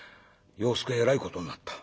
「要助えらいことになった。